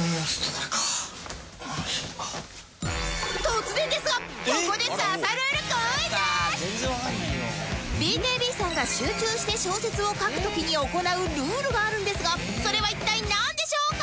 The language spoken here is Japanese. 突然ですがここでＢＫＢ さんが集中して小説を書く時に行うルールがあるんですがそれは一体なんでしょうか？